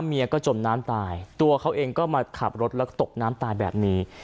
เมียก็จมน้ำตายตัวเขาเองก็มาขับรถแล้วก็ตกน้ำตายแบบนี้